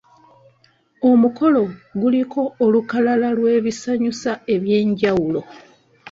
Omukolo guliko olukalala lw'ebisanyusa eby'enjawulo.